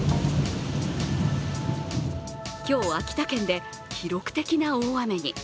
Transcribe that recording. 今日、秋田県で記録的な大雨に。